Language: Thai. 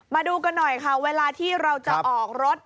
มาดูกันหน่อยค่ะเวลาที่เราจะออกรถ